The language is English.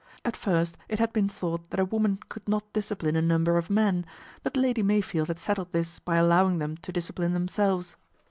At first it had been thought that a woman could not discipline a number of men ; but Lady Mey field had settled this by allowing them to dis cipline themselves.